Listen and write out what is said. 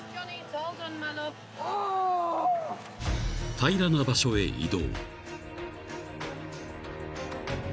［平らな場所へ移動］